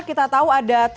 kita tahu ada trotoar